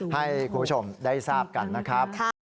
ให้คุณผู้ชมได้ทราบกันนะครับ